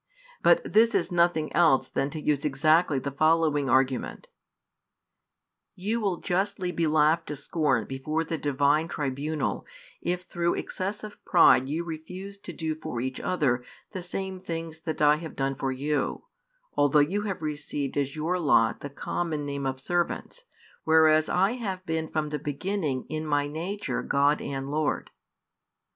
But this is nothing else than to use exactly the following argument: "You will justly be laughed to scorn before the Divine tribunal if through excess of pride you refuse to do for each other the same |185 things that I have done for you, although you have received as your lot the common name of servants, whereas I have been from the beginning in My nature God and Lord."